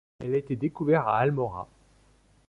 Elle a été découverte à Almora.